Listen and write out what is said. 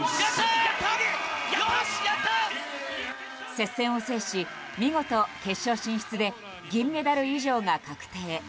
接戦を制し見事決勝進出で銀メダル以上が確定。